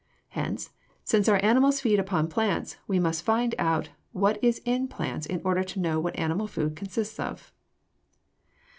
Hence, since our animals feed upon plants, we must find out what is in plants in order to know what animal food consists of.